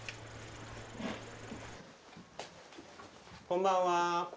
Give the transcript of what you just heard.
こんばんは。